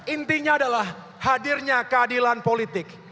intinya adalah hadirnya keadilan politik